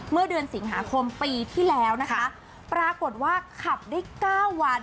เมื่อเดือนสิงหาคมปีที่แล้วนะคะปรากฏว่าขับได้เก้าวัน